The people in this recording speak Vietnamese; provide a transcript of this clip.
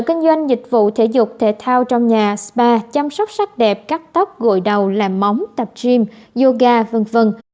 các doanh nghiệp vụ thể dục thể thao trong nhà spa chăm sóc sắc đẹp cắt tóc gội đầu làm móng tập gym yoga v v